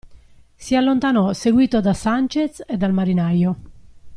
Si allontanò seguito da Sanchez e dal marinaio.